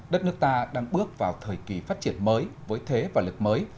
đất nước ta đang bước vào thời kỳ phát triển mới với thế và lực mới